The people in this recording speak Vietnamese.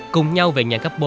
cùng nhau về nhà cấp bốn